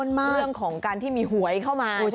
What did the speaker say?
เรื่องของการที่มีหวยเข้ามา